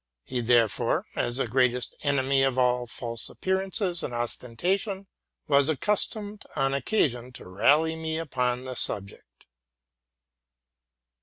He, therefore, as the ereatest enemy to all semblance and ostentation, was accus tomed, on occasion, to rally me upon the subject.